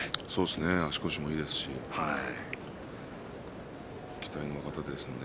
足腰もいいですし期待の若手ですよね。